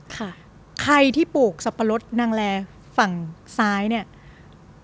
ค่ะใครที่โปรกสับปะรดนางแร่สายเนี้ย